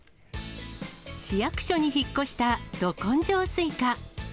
市役所に引っ越したど根性スイカ。